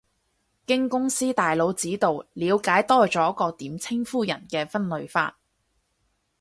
經公司大佬指導，了解多咗個點稱呼人嘅分類法